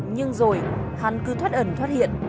nhưng rồi hắn cứ thoát ẩn thoát hiện